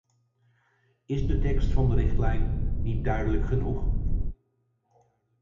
Is de tekst van de richtlijn niet duidelijk genoeg?